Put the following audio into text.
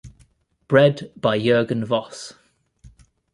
Bred by Juergen Voss.